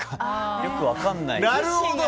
よく分からない。